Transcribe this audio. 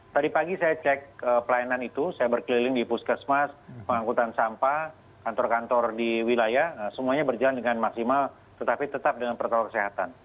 tadi pagi saya cek pelayanan itu saya berkeliling di puskesmas pengangkutan sampah kantor kantor di wilayah semuanya berjalan dengan maksimal tetapi tetap dengan protokol kesehatan